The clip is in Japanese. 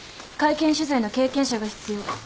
会見取材の経験者が必要。